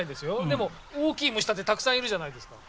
でも大きい虫だってたくさんいるじゃないですか。